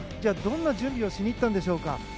どんな準備をしにいったんでしょうか。